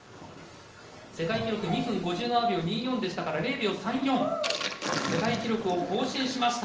世界記録２分５７秒２４でしたから０秒３４世界記録を更新しました。